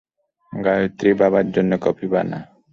গায়ত্রী, বাবার জন্য কফি বানা।